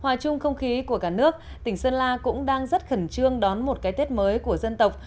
hòa chung không khí của cả nước tỉnh sơn la cũng đang rất khẩn trương đón một cái tết mới của dân tộc